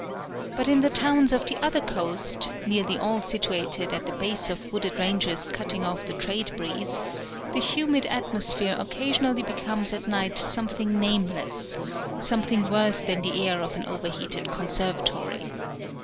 But in the towns of the other coast nearly all situated at the base of wooded ranges cutting off the trade breeze, the humid atmosphere occasionally becomes at night something nameless, something worse than the air of an overheated conservatory.